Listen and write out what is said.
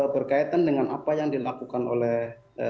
berkaitan dengan apa yang dilakukan oleh